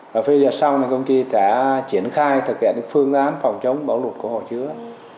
và phê diệt sau thì công ty sẽ triển khai thực hiện phương án phòng chống bão lụt của hồ chứa